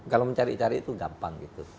kalau mencari cari itu gampang gitu